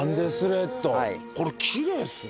これきれいですね。